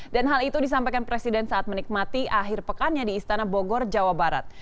dan hal itu disampaikan presiden saat menikmati akhir pekannya di istana bogor jawa barat